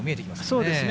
そうですね。